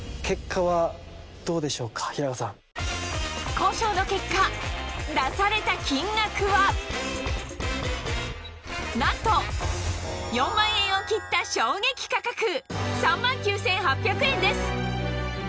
交渉の結果出された金額はなんと４万円を切った衝撃価格３万９８００円